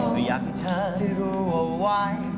แต่อยากให้เธอได้รู้เอาไว้